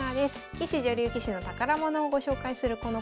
棋士・女流棋士の宝物をご紹介するこのコーナー。